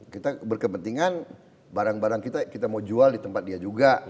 kita berkepentingan barang barang kita kita mau jual di tempat dia juga